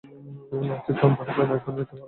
না, কিছু আনতে হবে না, এখন যেতে পারো।